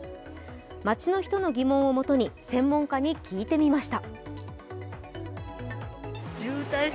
街の人の疑問を元に専門家に聞いてみました。